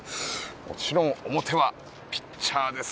もちろん表はピッチャーです。